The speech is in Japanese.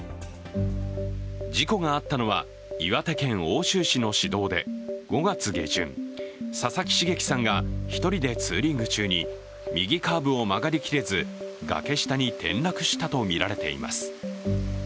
事故があったのは、岩手県奥州市の市道で５月下旬、佐々木重樹さんが１人でツーリング中に右カーブを曲がりきれず、崖下に転落したとみられています。